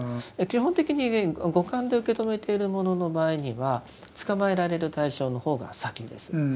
基本的に五感で受け止めているものの場合にはつかまえられる対象の方が先です。